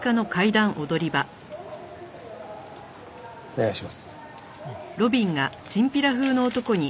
お願いします。